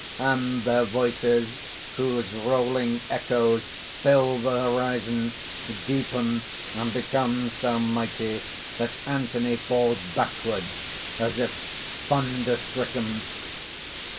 (_And their voices, whose rolling echoes fill the horizon, deepen and become so mighty that Anthony falls backward as if thunder stricken.